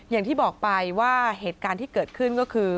อย่างที่บอกไปว่าเหตุการณ์ที่เกิดขึ้นก็คือ